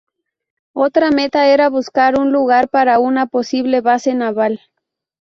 Otra meta era buscar un lugar para una posible base naval.